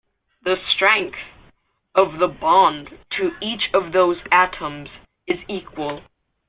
The strength of the bond to each of those atoms is equal.